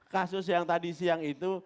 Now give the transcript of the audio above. kasus yang tadi siang itu